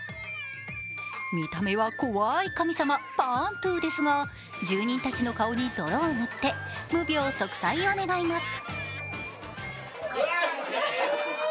見た目は怖い神様パーントゥですが、住人たちの顔に泥を塗って無病息災を願います。